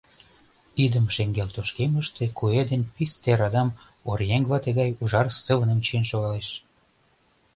Идым шеҥгел тошкемыште куэ ден писте радам оръеҥ вате гай ужар сывыным чиен шогалеш.